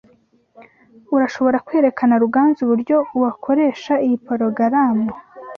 Urashobora kwereka Ruganzu uburyo wakoresha iyi porogaramu?